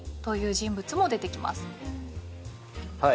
はい。